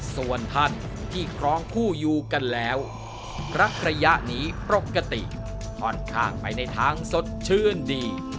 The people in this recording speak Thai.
ส่วนท่านที่ครองคู่อยู่กันแล้วรักระยะนี้ปกติค่อนข้างไปในทางสดชื่นดี